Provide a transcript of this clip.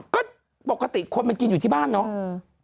ก็ปกติคนมันกินอยู่ที่บ้านเนาะ